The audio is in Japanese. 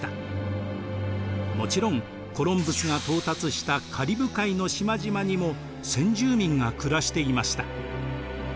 もちろんコロンブスが到達したカリブ海の島々にも先住民が暮らしていました。